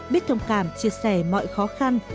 biết thông cảm chia sẻ mọi khó khăn